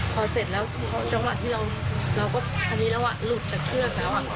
ฝากด้วยบนตัว